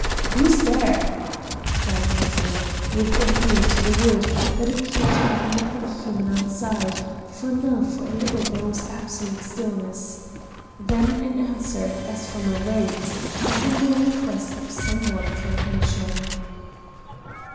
"Wha's there?" cried Mungo, with an ear to the wood, that appeared to have nothing human outside, for now for a little there was absolute stillness. Then an answer as from a wraith the humble request of some one for admission.